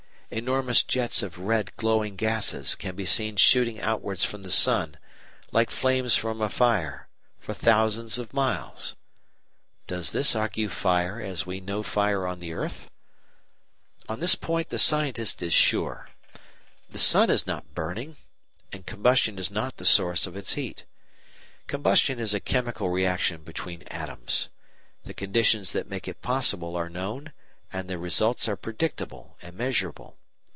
Enormous jets of red glowing gases can be seen shooting outwards from the sun, like flames from a fire, for thousands of miles. Does this argue fire, as we know fire on the earth? On this point the scientist is sure. The sun is not burning, and combustion is not the source of its heat. Combustion is a chemical reaction between atoms. The conditions that make it possible are known and the results are predictable and measurable.